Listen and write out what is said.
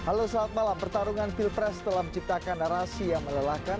halo selamat malam pertarungan pilpres telah menciptakan narasi yang melelahkan